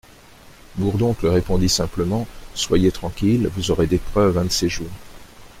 Bourdoncle répondit simplement : Soyez tranquille, vous aurez des preuves un de ces jours.